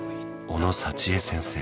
小野幸恵先生